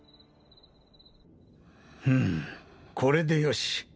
ふむこれでよし。